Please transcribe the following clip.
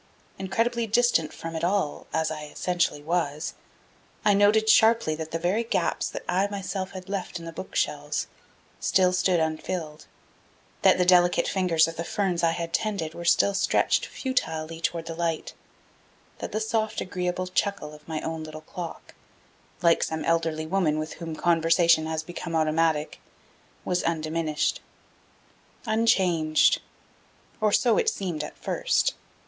Incredibly distant from it all as I essentially was. I noted sharply that the very gaps that I myself had left in my bookshelves still stood unfilled; that the delicate fingers of the ferns that I had tended were still stretched futilely toward the light; that the soft agreeable chuckle of my own little clock, like some elderly woman with whom conversation has become automatic, was undiminished. Unchanged or so it seemed at first.